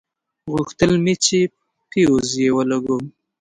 غوښتل مې چې فيوز يې ولګوم.